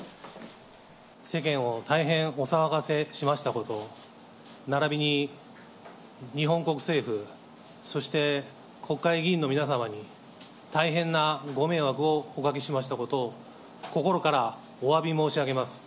世間を大変お騒がせしましたこと、ならびに日本国政府、そして国会議員の皆様に大変なご迷惑をおかけしましたことを、心からおわび申し上げます。